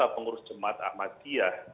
pengurus jemaat ahmadiyah